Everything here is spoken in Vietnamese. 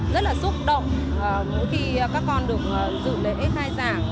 rất là xúc động mỗi khi các con được dự lễ khai giảng